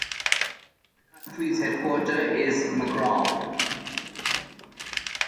The county’s headquarter is McRae.